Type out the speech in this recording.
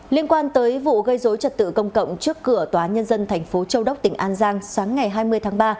liên quan tới vụ gây dối trật tự công cộng trước cửa tòa nhân dân thành phố châu đốc tỉnh an giang sáng ngày hai mươi tháng ba